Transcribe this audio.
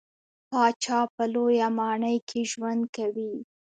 پاچا په لويه ماڼۍ کې ژوند کوي .